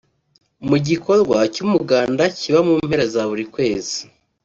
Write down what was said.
Mu gikorwa cy’Umuganda kiba mu mpera za buri kwezi